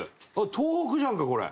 東北じゃんかこれ！